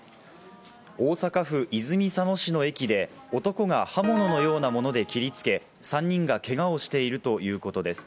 大阪府泉佐野市の駅で、男が刃物のようなもので切りつけ、３人がけがをしているということです。